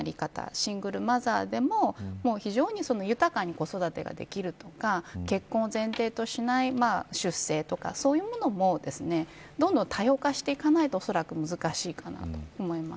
シングルマザーでも、非常に豊かに子育てができるとか結婚を前提としない出生とかそういうものもどんどん多様化していかないと恐らく難しいかなと思います。